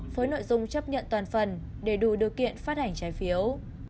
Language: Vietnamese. với nội dung chấp nhận toàn phần để đủ điều kiện phát hành trái phiếu